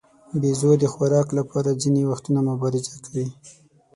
بیزو د خوراک لپاره ځینې وختونه مبارزه کوي.